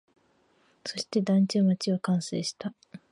そして、団地は、街は完成した